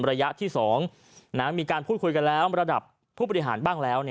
ระยะที่๒มีการพูดคุยกันแล้วระดับผู้บริหารบ้างแล้ว